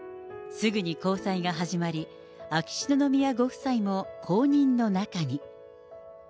すぐに交際が始まり、秋篠宮ご夫妻も公認の仲に。